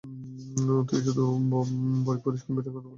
তুই তো শুধু বই পড়িস আর, কম্পিউটারে কথা বলিস।